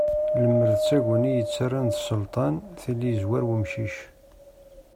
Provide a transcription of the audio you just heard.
Lemmer d taguni yettarran d sselṭan, tili yezwer umcic.